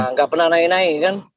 nggak pernah naik naik kan